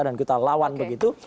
dan kita lawan begitu